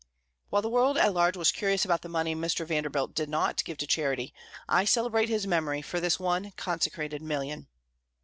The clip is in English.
While the world at large was curious about the money Mr. Vanderbilt did not give to charity, I celebrate his memory for this one consecrated million.